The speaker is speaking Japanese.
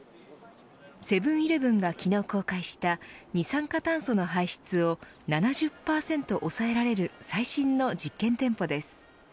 セブン‐イレブンが昨日公開した二酸化炭素の排出を７０％抑えられる最新の実験店舗です。